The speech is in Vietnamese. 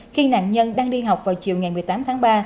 khi nạn nhân đang đi học vào chiều ngày một mươi tám tháng ba